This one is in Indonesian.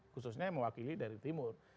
khususnya mewakili dari timur